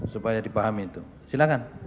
supaya dipahami itu silahkan